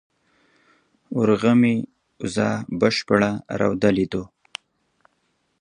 مرغومي، وزه بشپړه رودلې ده